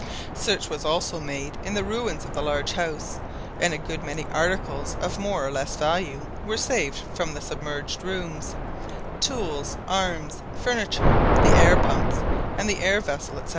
Search was also made in the ruins of the large house, and a good many articles of more or less value were saved from the submerged rooms—tools, arms, furniture, the air pumps, and the air vessel, &c.